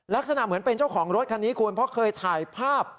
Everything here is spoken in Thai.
ลักษณะเหมือนเป็นเจ้าของรถคันนี้คุณเพราะเคยถ่ายภาพ